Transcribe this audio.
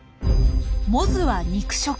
モズは肉食。